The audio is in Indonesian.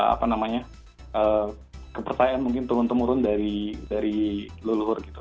apa namanya kepercayaan mungkin turun temurun dari leluhur gitu